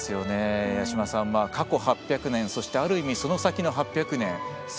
八嶋さんは過去８００年そして、ある意味その先の８００年。